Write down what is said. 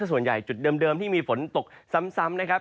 ส่วนใหญ่จุดเดิมที่มีฝนตกซ้ำนะครับ